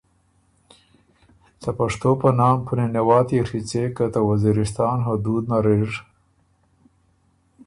ته پشتو په نام په نِنه واتيې ڒیڅېک که ته وزیرستان حدود نر اِر